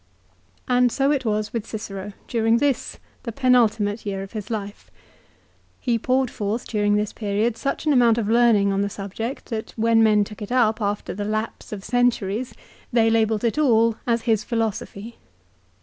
And so it was with Cicero during this, the penultimate year of his life. He poured forth during this period such an amount of learning on the subject that when men took it up after the lapse of centuries they labelled it all as his philosophy.